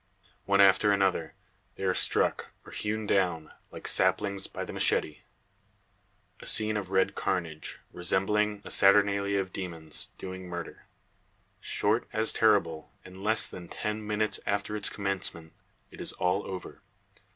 One after another they are struck, or hewn down, like saplings by the machete. A scene of red carnage, resembling a saturnalia of demons, doing murder! Short as terrible; in less than ten minutes after its commencement it is all over.